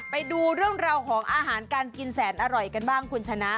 ไปดูเรื่องราวของอาหารการกินแสนอร่อยกันบ้างคุณชนะ